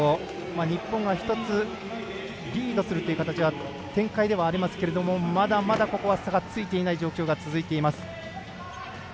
日本が１つリードするという展開ではありますけどまだまだここは差がついていない状況が続いています。